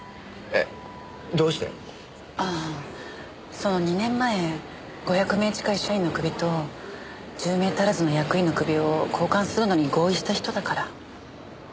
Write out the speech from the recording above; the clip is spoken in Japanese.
その２年前５００名近い社員のクビと１０名足らずの役員のクビを交換するのに合意した人だから。